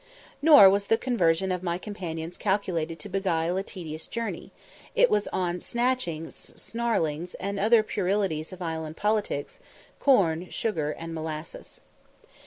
Nor was the conversation of my companions calculated to beguile a tedious journey; it was on "snatching," "snarlings" and other puerilities of island politics, corn, sugar, and molasses.